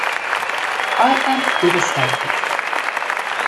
I am devastated.